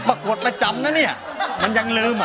ปรากฏประจำนะเนี่ยมันยังลืมอ่ะ